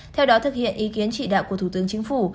theo đó thực hiện ý kiến chỉ đạo của thủ tướng chính phủ